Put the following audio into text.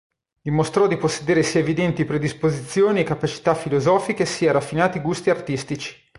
Dimostrò di possedere sia evidenti predisposizioni e capacità filosofiche sia raffinati gusti artistici.